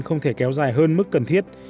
không thể kéo dài hơn mức cần thiết